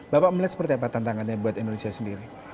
bapak melihat seperti apa tantangannya buat indonesia sendiri